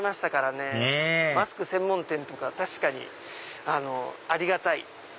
ねぇマスク専門店とか確かにありがたい。